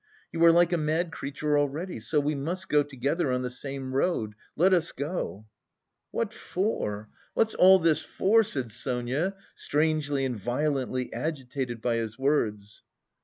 You are like a mad creature already. So we must go together on the same road! Let us go!" "What for? What's all this for?" said Sonia, strangely and violently agitated by his words.